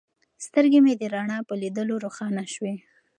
سترګې مې د رڼا په لیدلو روښانه شوې.